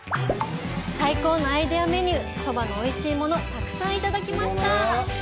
最高のアイディアメニュー、鳥羽のおいしいもの、たくさんいただきました。